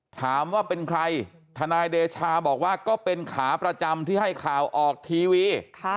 ถามว่าเป็นใครทนายเดชาบอกว่าก็เป็นขาประจำที่ให้ข่าวออกทีวี